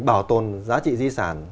bảo tồn giá trị di sản